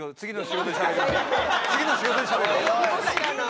次の仕事でしゃべります。